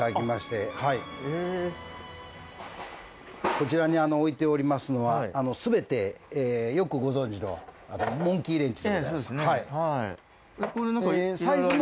こちらに置いておりますののは全てよくご存知のモンキーレンチ。